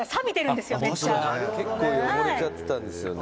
二階堂：結構汚れちゃってたんですよね。